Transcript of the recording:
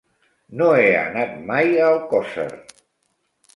No he anat mai a Alcosser.